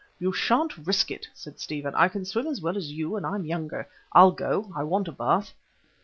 "You shan't risk it," said Stephen, "I can swim as well as you and I'm younger. I'll go, I want a bath."